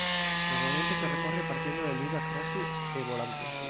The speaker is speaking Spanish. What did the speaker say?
Normalmente se recorre partiendo del Vivac Rossi e Volante.